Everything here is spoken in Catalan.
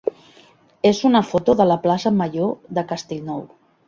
és una foto de la plaça major de Castellnou.